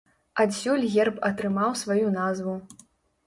Адсюль герб атрымаў сваю назву.